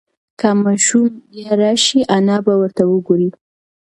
که ماشوم بیا راشي انا به ورته وگوري.